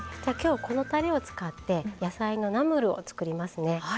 じゃ今日このたれを使って野菜のナムルを作りますね。